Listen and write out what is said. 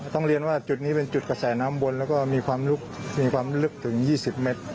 ต้องเรียนว่าจุดนี้เป็นจุดกระแสน้ำวนแล้วก็มีความลึกถึง๒๐เมตร